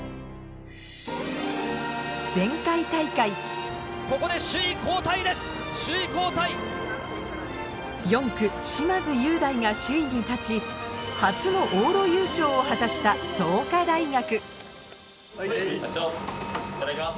前回大会４区嶋津雄大が首位に立ち初の往路優勝を果たした創価大学いただきます。